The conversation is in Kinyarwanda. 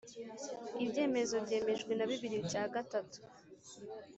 Ibyemezo byemejwe na bibiri bya gatatu